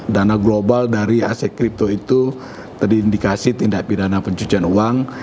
dana global dari aset kripto itu terindikasi tindak pidana pencucian uang